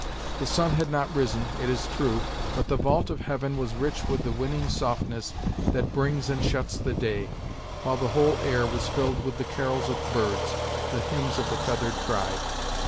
The sun had not risen, it is true, but the vault of heaven was rich with the winning softness that "brings and shuts the day," while the whole air was filled with the carols of birds, the hymns of the feathered tribe.